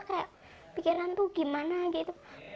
kayak pikiran tuh gimana gitu